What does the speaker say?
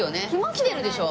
きてるでしょ？